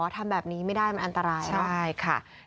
ทำแบบนี้ไม่ได้มันอันตรายเนอะใช่ค่ะ